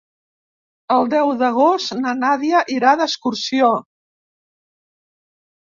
El deu d'agost na Nàdia irà d'excursió.